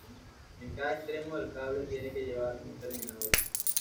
En cada extremo del cable tiene que llevar un terminador.